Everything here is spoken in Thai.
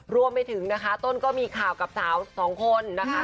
รวมไปถึงนะคะต้นก็มีข่าวกับสาวสองคนนะคะ